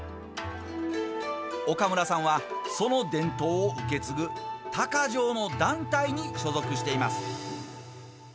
岡村さんはその伝統を受け継ぐたか匠の団体に所属しています。